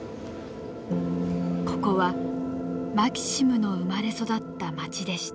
ここはマキシムの生まれ育った町でした。